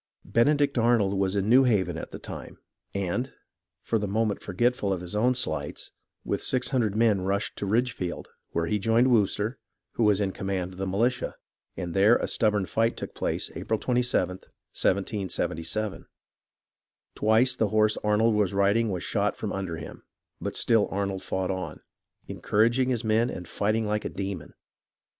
Benedict Arnold was in New Haven at the time, and, for the moment forgetful of his own slights, with six hundred men rushed to Ridgefield, where he joined Wooster, who was in command of the militia, and there a stubborn fight took place April 27th, 1777. Twice the horse Arnold was riding was shot from under him ; but still Arnold fought on, encouraging his men and fighting like a demon.